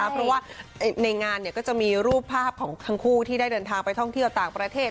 เพราะว่าในงานก็จะมีรูปภาพของทั้งคู่ที่ได้เดินทางไปท่องเที่ยวต่างประเทศ